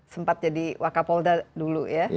sempat jadi wakapolda dulu ya